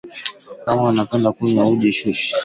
Kama unapenda kuyuwa uji shushe